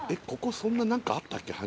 ここそんななんかあったっけ？